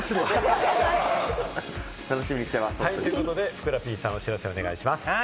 ふくらＰさん、お知らせお願いします。